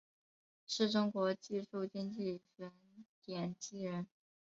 是中国技术经济学奠基人。